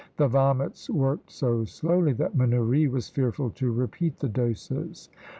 The vomits worked so slowly, that Manoury was fearful to repeat the doses.